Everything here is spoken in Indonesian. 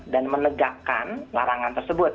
dan menegakkan larangan tersebut